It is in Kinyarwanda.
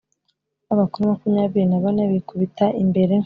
ba bakuru makumyabiri na bane bikubita imbere